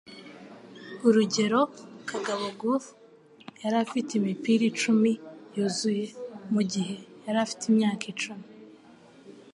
Urugero, Kagabo Gough, yari afite imipira icumi yuzuye mugihe yari afite imyaka icumi